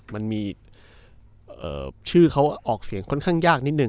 มันมีชื่อเขาออกเสียงค่อนข้างยากนิดนึ